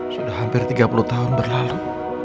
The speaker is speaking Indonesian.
sudah hampir tiga puluh tahun berlalu